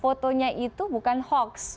foto nya itu bukan hoax